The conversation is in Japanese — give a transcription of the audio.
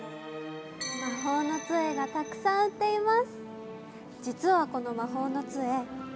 魔法のつえがたくさん売っています。